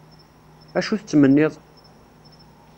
Acu tettmenniḍ?